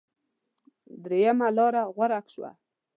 درېمه لاره غوره شوه.